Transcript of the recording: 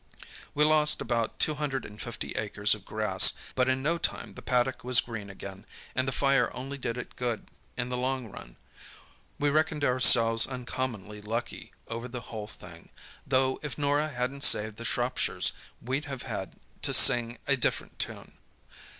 We lost about two hundred and fifty acres of grass, but in no time the paddock was green again, and the fire only did it good in the long run. We reckoned ourselves uncommonly lucky over the whole thing, though if Norah hadn't saved the Shropshires we'd have had to sing a different tune.